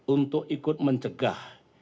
untuk ikut mencegah